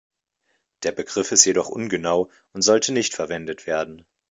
Dieser Begriff ist jedoch ungenau und sollte nicht verwendet werden.